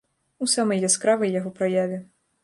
У самай яскравай яго праяве.